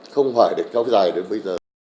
không hoài để kéo dài đến bây giờ